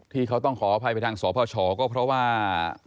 ที่เขาต้องขออภัยไปทางสพชก็เพราะว่า